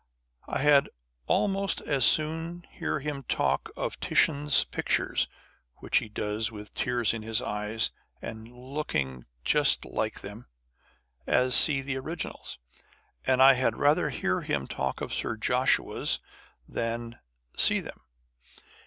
I had almost as soon hear him talk of Titian's pictures (which he does with tears in his eyes, and looking just like them) as see the originals, and I had rather hear him talk of Sir Joshua's than see them.